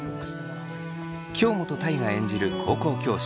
京本大我演じる高校教師